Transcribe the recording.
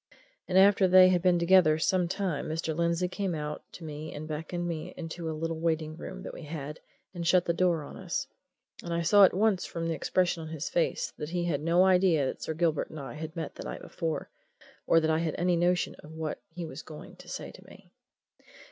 And after they had been together some time Mr. Lindsey came out to me and beckoned me into a little waiting room that we had and shut the door on us, and I saw at once from the expression on his face that he had no idea that Sir Gilbert and I had met the night before, or that I had any notion of what he was going to say to me.